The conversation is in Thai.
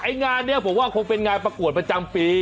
งานนี้ผมว่าคงเป็นงานประกวดประจำปี